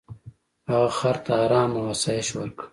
هغه خر ته ارام او آسایش ورکړ.